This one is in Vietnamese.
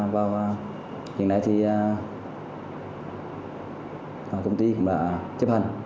và hiện nay thì công ty đã chấp hành